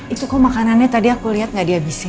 itu kok makanannya tadi aku liat gak dihabisin